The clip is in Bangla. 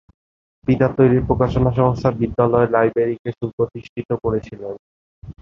পিতার তৈরী প্রকাশনা সংস্থা বিদ্যোদয় লাইব্রেরী কে সুপ্রতিষ্ঠিত করেছিলেন।